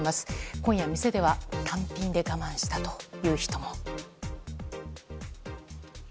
今夜、店では単品で我慢したという人も。